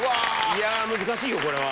いや難しいぞこれは。